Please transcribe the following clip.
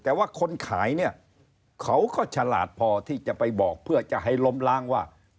แต่ว่าคนขายเนี่ยเขาก็ฉลาดพอที่จะไปบอกเพื่อจะให้ล้มล้างว่า